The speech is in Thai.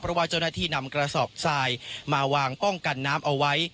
เพราะว่าเจ้าหน้าที่นำกระสอบทรายมาวางป้องกันน้ำเอาไว้